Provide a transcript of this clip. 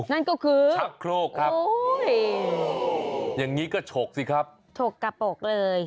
นั่นก็คือชักโครกครับอย่างนี้ก็ฉกสิครับฉกกระปกเลย